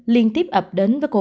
liên tiếp ập đến với cô gái